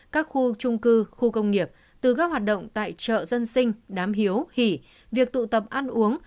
các khu trung cư khu công nghiệp từ các hoạt động tại chợ dân sinh đám hiếu hỉ việc tụ tập ăn uống